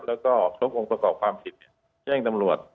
แล้วก็ครบองค์ประกอบความผิดแจ้งตำรวจ